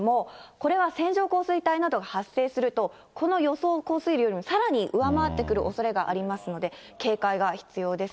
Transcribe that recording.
これは線状降水帯などが発生すると、この予想降水量をさらに上回ってくるおそれがありますので、警戒が必要です。